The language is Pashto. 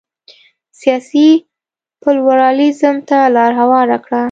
سیاسي پلورالېزم ته لار هواره کړه.